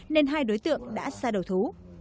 nên hai đối tượng đã ra đầu thú